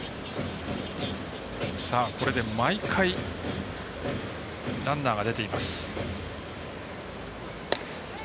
これで毎回ランナーが出ています。